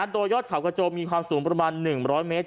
โดยยอดเขากระโจมมีความสูงประมาณ๑๐๐เมตร